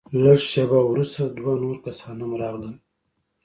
لږه شېبه وروسته دوه نور کسان هم راغلل.